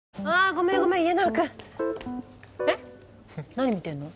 何見てるの？